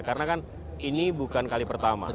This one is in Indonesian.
karena kan ini bukan kali pertama